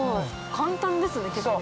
簡単ですね結構。